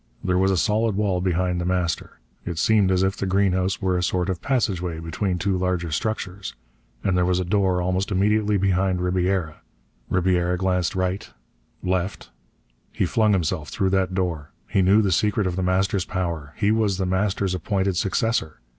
There was a solid wall behind The Master. It seemed as if the greenhouse were a sort of passageway between two larger structures. And there was a door almost immediately behind Ribiera. Ribiera glanced right left He flung himself through that door. He knew the secret of The Master's power. He was The Master's appointed successor.